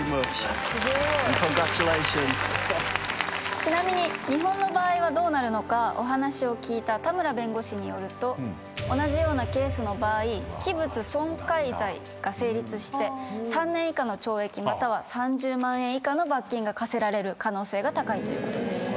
ちなみに日本の場合はどうなるのかお話を聞いた田村弁護士によると同じようなケースの場合器物損壊罪が成立して３年以下の懲役または３０万円以下の罰金が科せられる可能性が高いということです。